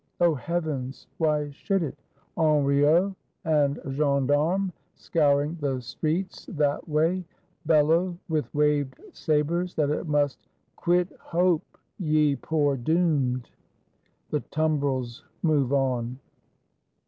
0 Heavens, why should it! Henriot and Gendarmes, scouring the streets that way, bellow, with waved sa bers, that it must ''Quit hope, ye poor Doomed!" The Tumbrels move on.